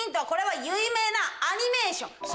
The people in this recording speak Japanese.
これは有名なアニメーション。